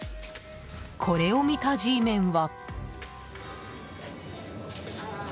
これを見たＧメンは。